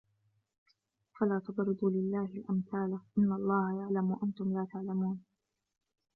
فَلَا تَضْرِبُوا لِلَّهِ الْأَمْثَالَ إِنَّ اللَّهَ يَعْلَمُ وَأَنْتُمْ لَا تَعْلَمُونَ